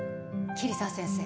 桐沢先生。